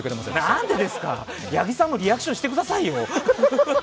なんでですか、ヤギさんもリアクションしてくださいよ！